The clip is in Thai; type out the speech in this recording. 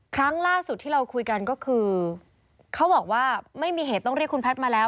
ครั้งล่าสุดที่เราคุยกันก็คือเขาบอกว่าไม่มีเหตุต้องเรียกคุณแพทย์มาแล้ว